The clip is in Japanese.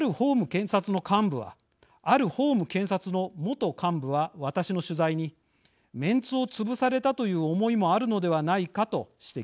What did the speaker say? ある法務検察の元幹部は私の取材にメンツをつぶされたという思いもあるのではないかと指摘します。